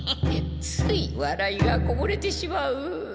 ついわらいがこぼれてしまう。